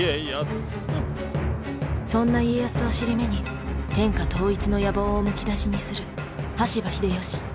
そんな家康を尻目に天下統一の野望をむき出しにする羽柴秀吉。